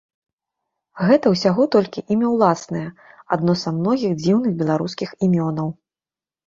Гэта ўсяго толькі імя ўласнае, адно са многіх дзіўных беларускіх імёнаў.